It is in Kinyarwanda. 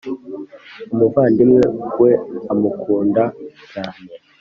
umuvandimwe we amukunda cyane